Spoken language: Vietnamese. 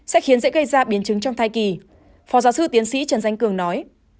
sẽ khiến dễ gây ra biến chứng trong thai kỳ phó giáo sư tiến sĩ trần danh cường nói